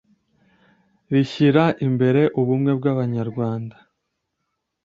rishyira imbere ubumwe bw Abanyarwanda